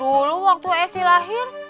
mungkin waktu esi lahir